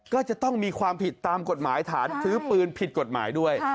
ก็จะต้องมีความผิดตามกฎหมายฐานซื้อปืนผิดกฎหมายด้วย